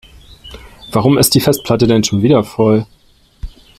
Warum ist die Festplatte denn schon wieder voll?